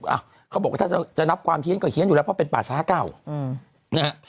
อ่ะเขาบอกว่าถ้าจะนับความเฮียนก็เฮียนอยู่แล้วเพราะเป็นป่าช้าเก่าอืมนะฮะ